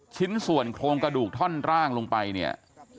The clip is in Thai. ชิ้นส่วนโครงกระดูกท่อนร่างลงไปเนี่ย